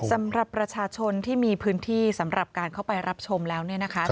สำหรับประชาชนที่มีพื้นที่สำหรับการเข้าไปรับชมแล้วเนี่ยนะคะ